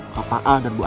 kepala dan bu andi